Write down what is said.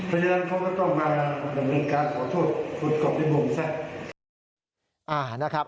เพราะฉะนั้นเขาก็ต้องมาเป็นการขอโทษก่อลิบวงสิ